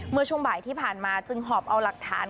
เมื่อช่วงบ่ายที่ผ่านมาจึงหอบเอาหลักฐาน